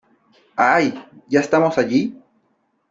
¡ Ay !¿ ya estamos allí ?